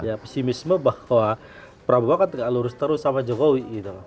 ya pesimisme bahwa prabowo kan tegak lurus terus sama jokowi